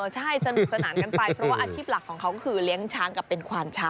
ใช่สนุกสนานกันไปเพราะว่าอาชีพหลักของเขาก็คือเลี้ยงช้างกับเป็นควานช้าง